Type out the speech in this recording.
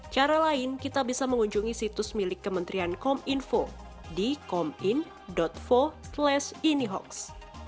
cara lain kita bisa mengunjungi situs milik kementerian kominfo di komin vo inihoaks